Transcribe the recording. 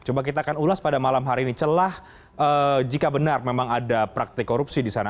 coba kita akan ulas pada malam hari ini celah jika benar memang ada praktik korupsi di sana